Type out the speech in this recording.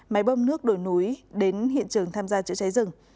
máy bơm nước đổi núi đến hiện trường tham gia chữa cháy rừng